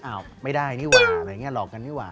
อ้าวไม่ได้นี่หว่าหลอกกันนี่หว่า